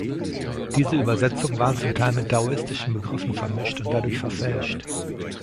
Diese Übersetzungen waren zum Teil mit daoistischen Begriffen vermischt und dadurch verfälscht.